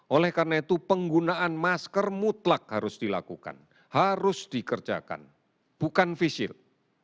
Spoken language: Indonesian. oleh karena itu penggunaan masker mutlak harus dilakukan harus dikerjakan bukan face shield